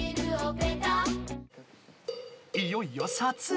いよいよ撮影。